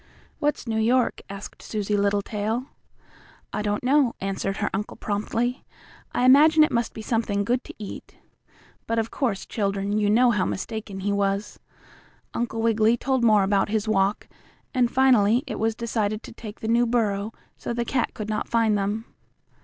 "What's New York?" asked Susie Littletail. "I don't know," answered her uncle promptly. "I imagine it must be something good to eat." But of course, children, you know how mistaken he was. Uncle Wiggily told more about his walk, and finally it was decided to take the new burrow, so the cat could not find them.